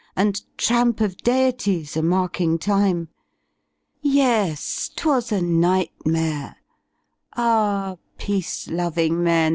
And tramp of deities a marking time] Yes, Uwas a nightmare; ahy peace loving men.